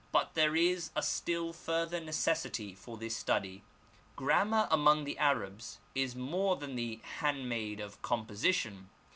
But there is a still further necessity for this study. Grammar among the Arabs is more than the handmaid of composition.